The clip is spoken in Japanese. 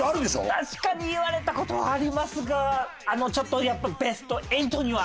確かに言われた事はありますがちょっとやっぱりベスト８には。